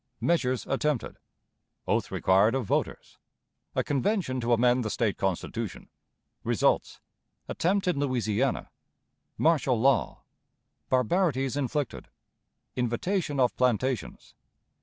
Measures attempted. Oath required of Voters. A Convention to amend the State Constitution. Results. Attempt in Louisiana. Martial Law. Barbarities inflicted. Invitation of Plantations.